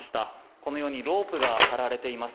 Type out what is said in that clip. このようにロープが張られています。